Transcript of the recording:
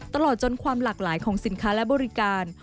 ตลอดจนความหลากหลายของสินค้าและบริการ